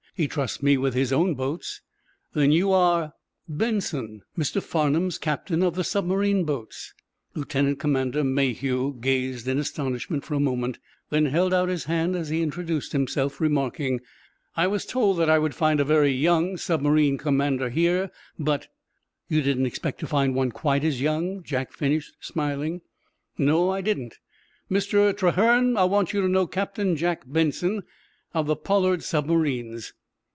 He trusts me with his own boats." "Then you are—" "Benson, Mr. Farnum's captain of the submarine boats." Lieutenant Commander Mayhew gazed in astonishment for a moment, then held out his hand as he introduced himself, remarking: "I was told that I would find a very young submarine commander here, but—" "You didn't expect to find one quite as young," Jack finished, smiling. "No; I didn't. Mr. Trahern, I want you to know Captain Jack Benson, of the Pollard submarines."